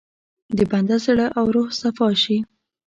د بنده زړه او روح صفا شي.